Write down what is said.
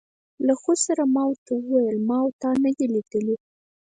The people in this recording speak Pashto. له خو سره ما ور ته وویل: ما او تا نه دي لیدلي.